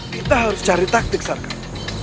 kita harus cari taktik serta